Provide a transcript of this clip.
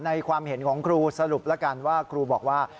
ความเห็นของครูสรุปแล้วกันว่าครูบอกว่า